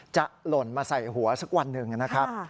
หล่นมาใส่หัวสักวันหนึ่งนะครับ